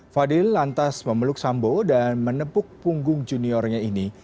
fadil lantas memeluk sambo dan menepuk punggung juniornya ini